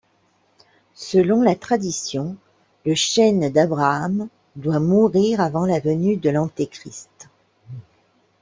Selon la tradition, le chêne d'Abraham doit mourir avant la venue de l'Antéchrist.